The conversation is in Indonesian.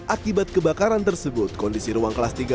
akibat kebakaran tersebut kondisi ruang kelas tiga